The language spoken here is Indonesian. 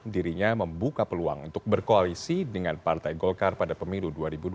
dirinya membuka peluang untuk berkoalisi dengan partai golkar pada pemilu dua ribu dua puluh